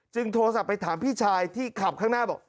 โทรศัพท์ไปถามพี่ชายที่ขับข้างหน้าบอก